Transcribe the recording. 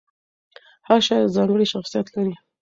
هر شاعر ځانګړی شخصیت لري.